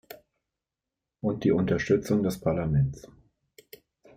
Und die Unterstützung des Parlaments.